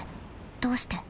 どうして？